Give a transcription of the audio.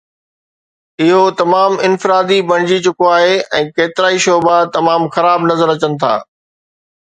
اهو تمام افراتفري بڻجي چڪو آهي ۽ ڪيترائي شعبا تمام خراب نظر اچن ٿا